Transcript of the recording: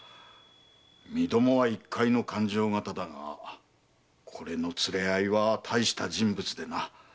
身共は一介の勘定方だがこれの連れ合いは大した人物でな。